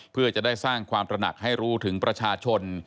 เพื่อจะได้สร้างความตระหนักให้รู้ถึงประชาชน